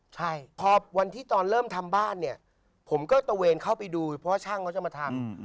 ใช่พอวันที่ตอนเริ่มทำบ้านเนี่ยผมก็ตะเวนเข้าไปดูเพราะว่าช่างเขาจะมาทำ